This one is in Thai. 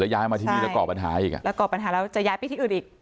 ย้ายมาที่นี่แล้วก่อปัญหาอีกอ่ะแล้วก่อปัญหาแล้วจะย้ายไปที่อื่นอีก